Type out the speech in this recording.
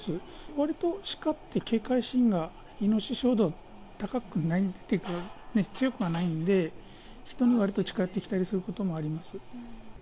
わりとシカって、警戒心がイノシシほど高くない、強くはないんで、人にわりと近寄ってきたりすることもあります。